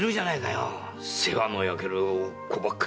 世話の焼ける子ばっかりよ。